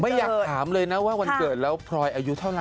ไม่อยากถามวันเกิดแล้วพลอยอายุเท่าไหร่